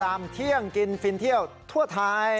เที่ยงกินฟินเที่ยวทั่วไทย